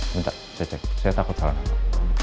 saya cek saya takut salah nama